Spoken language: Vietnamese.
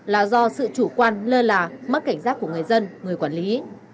là do sự chủ quan lơ là mất cảnh giác của người dân người quản lý